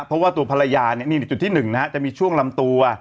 เพราะว่าตัวภรรยานี่จุดที่๑นะฮะจะมีช่วงลำตัว